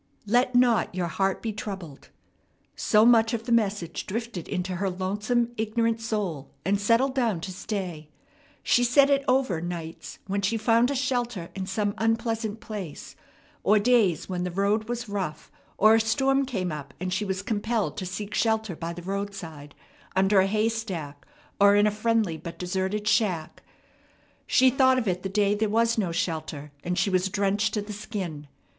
"Let not your heart be troubled"; so much of the message drifted into her lonesome, ignorant soul, and settled down to stay. She said it over nights when she found a shelter in some unpleasant place or days when the road was rough or a storm came up and she was compelled to seek shelter by the roadside under a haystack or in a friendly but deserted shack. She thought of it the day there was no shelter and she was drenched to the skin.